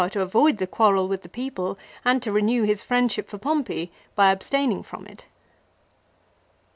73 to avoid the quarrel with the people and to renew his friendship for Pompey by abstaining from it."